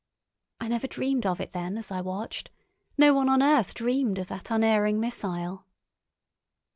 I never dreamed of it then as I watched; no one on earth dreamed of that unerring missile.